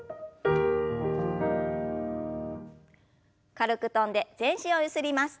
軽く跳んで全身をゆすります。